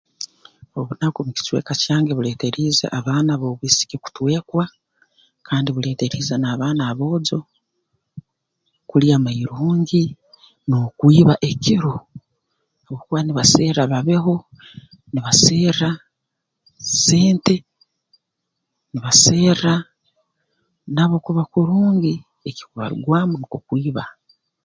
Obunaku mu kicweka kyange buleeteriize abaana b'obwisiki kutwekwa kandi buleeteriize n'abaana ab'oojo kulya amairungi n'okwiba ekiro habwokuba nibaserra babeho nibaserra sente nibaserra nabo kuba kurungi ekikubarugwamu nukwo kwiba